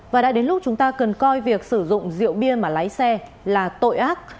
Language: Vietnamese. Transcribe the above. và đã đến lúc chúng ta cần coi việc sử dụng rượu bia mà lái xe là tội ác